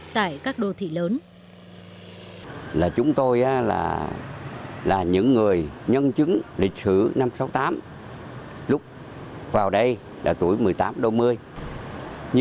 tại các đô thị lớn